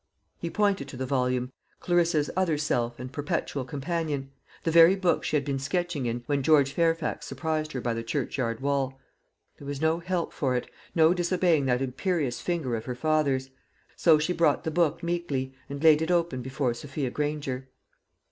He pointed to the volume Clarissa's other self and perpetual companion the very book she had been sketching in when George Fairfax surprised her by the churchyard wall. There was no help for it, no disobeying that imperious finger of her father's; so she brought the book meekly and laid it open before Sophia Granger.